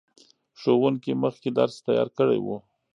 ښوونکي مخکې درس تیار کړی و.